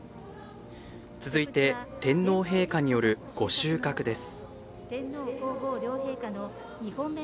続いて、天皇陛下による御収穫です。